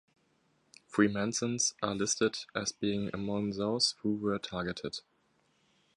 Freemasons are listed as being among those who were targeted.